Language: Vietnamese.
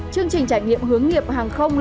chương trình trải nghiệm hướng nghiệp hàng không